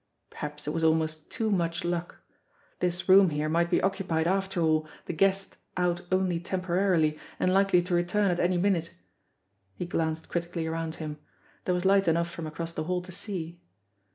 Perhaps it was almost too much luck! This room here might be occupied after ell, the "guest" out only temporarily, and likely to return at any minute. He glanced critically around him. There was light enough from across the hall to see.